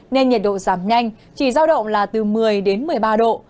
nên nhiệt độ giảm nhanh chỉ giao động là từ một mươi đến một mươi ba độ